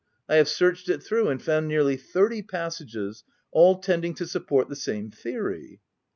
I have searched it through, and found nearly thirty passages, ail tending to support the same theory.